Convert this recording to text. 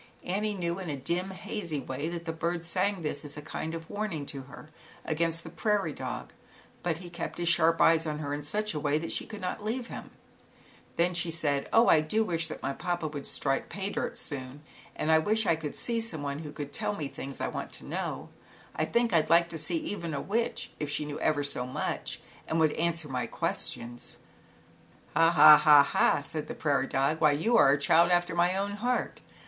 Annie knew in a dim hazy way that the birds sang this as a kind of arning to her, against the prairie dog, t he kept his sharp eyes on her in such way that she could not leave him Then she said: "Oh, I do wish that my papa would strike 'pay dirt' soon, and I wish I could see some one who could tell me things I want to know. \\ i I think I'd like to see even a Witch, if she knew ever so much and would answer my questions." " Ha^ha ha ha," said the prairie dog, "why, you are a child after my own heart.